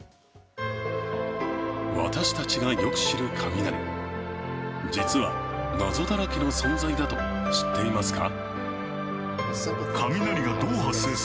私たちがよく知る雷実は謎だらけの存在だと知っていますか？